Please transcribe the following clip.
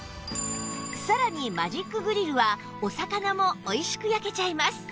さらにマジックグリルはお魚もおいしく焼けちゃいます